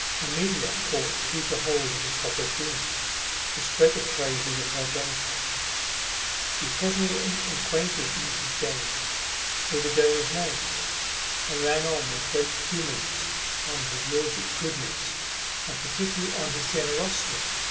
Amelia caught eager hold of this opportunity to spread the praises of her benefactor. She presently acquainted Mrs. James with the donor's name, and ran on with great encomiums on his lordship's goodness, and particularly on his generosity.